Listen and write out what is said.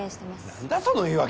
なんだその言い訳！